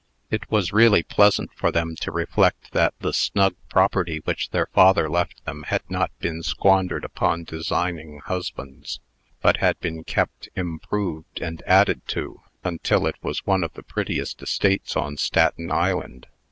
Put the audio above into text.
It was really pleasant for them to reflect that the snug property which their father left them had not been squandered upon designing husbands, but had been kept, improved, and added to, until it was one of the prettiest estates on Staten Island.